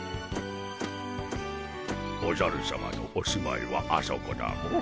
おじゃるさまのお住まいはあそこだモ。